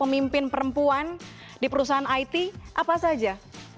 memimpin perempuan di perusahaan it apa saja